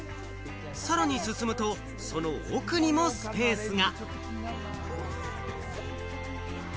さらに進むと、その奥にもスペースが。